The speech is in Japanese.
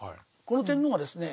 この天皇がですね